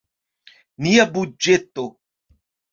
Nia budĝeto.